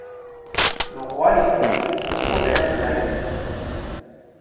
Le roi les confie au comte Robert de Leicester.